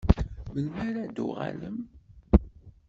Melmi ara d-tuɣalem?